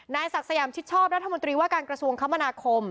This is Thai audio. ศักดิ์สยามชิดชอบรัฐมนตรีว่าการกระทรวงคมนาคม